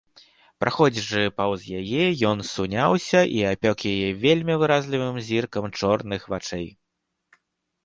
Праходзячы паўз яе, ён суняўся і апёк яе вельмі выразлівым зіркам чорных вачэй.